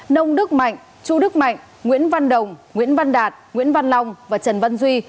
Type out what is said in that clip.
nông đức mạnh chu đức mạnh nguyễn văn đồng nguyễn văn đạt nguyễn văn long và trần văn duy